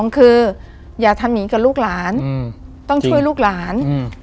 ๒คืออย่าท้านมีกับลูกหลานต้องช่วยลูกหลาน